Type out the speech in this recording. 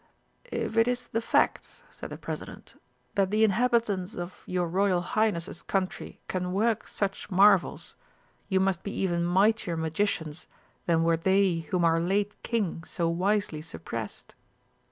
"If it is the fact," said the President, "that the inhabitants of your Royal Highness's Country can work such marvels, you must be even mightier magicians than were they whom our late King so wisely suppressed."